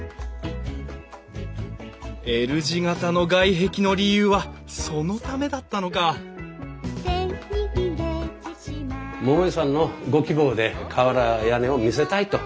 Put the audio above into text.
Ｌ字形の外壁の理由はそのためだったのか桃井さんのご希望で瓦屋根を見せたいと。